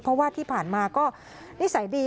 เพราะว่าที่ผ่านมาก็นิสัยดี